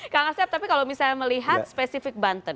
kak asyaf tapi kalau misalnya melihat spesifik banten